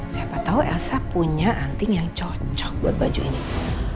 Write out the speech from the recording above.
siapa tau elsa punya anting yang cocok buat bajunya